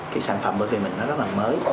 cái sản phẩm bởi vì mình nó rất là mới